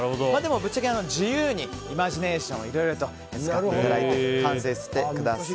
ぶっちゃけ自由にイマジネーションをいろいろ使っていただいて完成させてください。